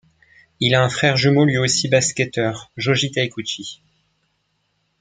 Il a un frère jumeau lui aussi basketteur Joji Takeuchi.